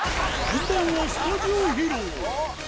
本番はスタジオ披露。